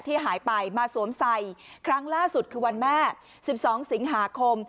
ที่หายไปมาสวมใส่ครั้งล่าสุดคือวันแม่๑๒สิงหาคม